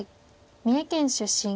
三重県出身。